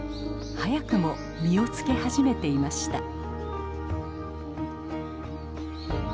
早くも実をつけ始めていました。